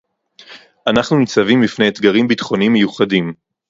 אנחנו ניצבים בפני אתגרים ביטחוניים מיוחדים